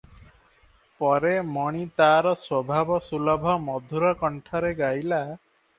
ପରେ ମଣି ତାର ସ୍ୱଭାବସୁଲଭ ମଧୁର କଣ୍ଠରେ ଗାଇଲା-